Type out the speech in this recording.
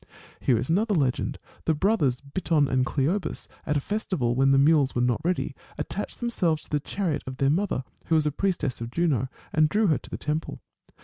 ^ Here is another legend. The brothers Biton and Cleobus, at a festival, when the mules were not ready, attached themselves to the chariot of their mother, who was a priestess of Juno, and drew her to the temple.